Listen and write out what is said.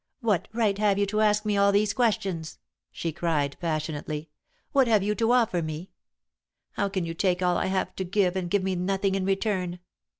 "What right have you to ask me all these questions?" she cried, passionately. "What have you to offer me? How can you take all I have to give and give me nothing in return?